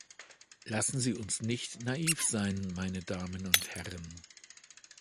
Lassen Sie uns nicht naiv sein, meine Damen und Herren.